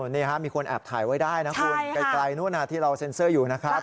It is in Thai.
นี่ครับมีคนแอบถ่ายไว้ได้นะคุณไกลนู้นที่เราเซ็นเซอร์อยู่นะครับ